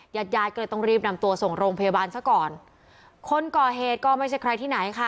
ยายก็เลยต้องรีบนำตัวส่งโรงพยาบาลซะก่อนคนก่อเหตุก็ไม่ใช่ใครที่ไหนค่ะ